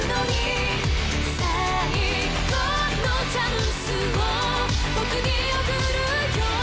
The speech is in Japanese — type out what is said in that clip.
「最後のチャンスを僕に贈るよ」